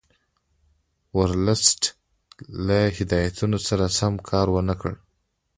ورلسټ له هدایتونو سره سم کار ونه کړ.